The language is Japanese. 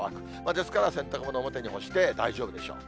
ですから洗濯物表に干して大丈夫でしょう。